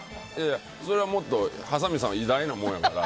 それはもっとはさみさんは偉大なもんやから。